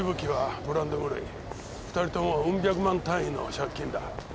２人ともうん百万単位の借金だ。